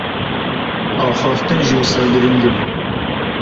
Axaftin jî wisa giring e.